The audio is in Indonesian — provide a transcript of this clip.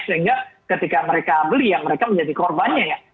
sehingga ketika mereka beli ya mereka menjadi korbannya ya